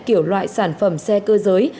kiểu loại sản phẩm xe cơ giới